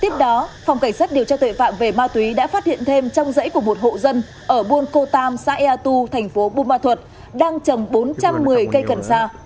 cơ sách điều tra tuệ phạm về ma túy đã phát hiện thêm trong rẫy của một hộ dân ở buôn cô tam xã ea tu thành phố buôn ma thuật đang trồng bốn trăm một mươi cây cần sa